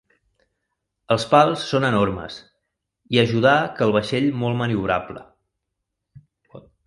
Els pals són enormes, i ajudar que el vaixell molt maniobrable.